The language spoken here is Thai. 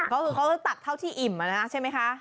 เขาตัดเท่าที่อิ่มใช่ไหมคะ